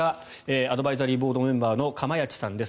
アドバイザリーボードメンバーの釜萢さんです。